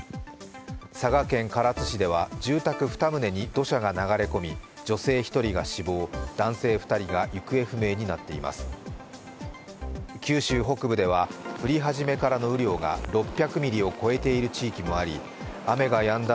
佐賀県唐津市では住宅２棟に土砂が流れ込み、女性１人が死亡、男性２人が行方不明になっています九州北部では降り始めからの雨量が６００ミリを超えている地域もあり雨がやんだ